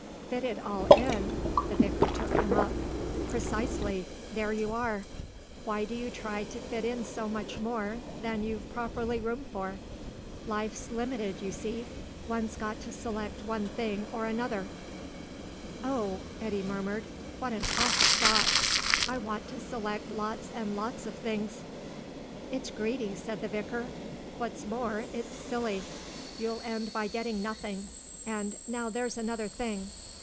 "Fit it all in!" The vicar took him up. "Precisely. There you are. Why do you try to fit in so much more than you've properly room for? Life's limited, you see. One's got to select one thing or another." "Oh," Eddy murmured, "what an awful thought! I want to select lots and lots of things!" "It's greedy," said the vicar. "What's more, it's silly. You'll end by getting nothing.... And now there's another thing.